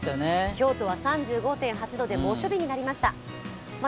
京都は３８．５度で猛暑日になりました。